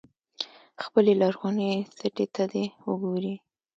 خپلې لرغونې سټې ته دې وګوري.